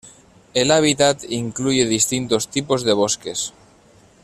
El hábitat incluye distintos tipos de bosques.